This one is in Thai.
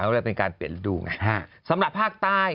ก็เลยเป็นการเปลี่ยนฤดูไงสำหรับภาคใต้